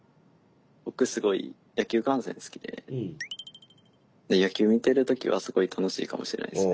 僕すごい野球観戦好きで野球見てる時はすごい楽しいかもしれないですね。